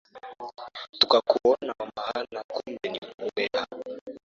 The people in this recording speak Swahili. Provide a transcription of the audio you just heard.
Tukakuona wa maana kumbe ni mmbea.